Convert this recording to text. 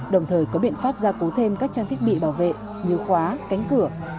đồng thời có biện pháp gia cố thêm các trang thiết bị bảo vệ như khóa cánh cửa